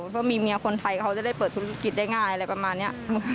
เพราะมีเมียคนไทยเขาจะได้เปิดธุรกิจได้ง่ายอะไรประมาณนี้